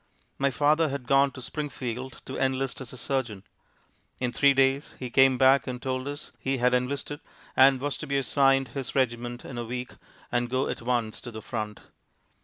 My father had gone to Springfield to enlist as a surgeon. In three days he came back and told us he had enlisted, and was to be assigned his regiment in a week, and go at once to the front.